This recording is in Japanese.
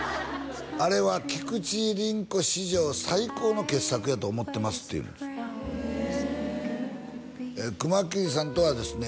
あれは菊地凛子史上最高の傑作やと思ってますって言うんです熊切さんとはですね